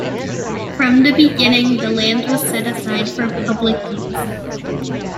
From the beginning, the land was set aside for public use.